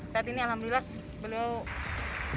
saat ini alhamdulillah beliau